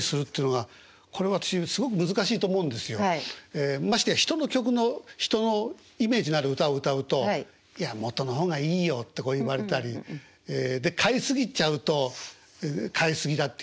ええましてや人の曲の人のイメージのある歌を歌うといやもとのほうがいいよってこう言われたりええで変え過ぎちゃうと変え過ぎだって言われる。